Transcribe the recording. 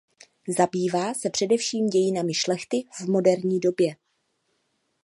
Zabývá se především dějinami šlechty v moderní době.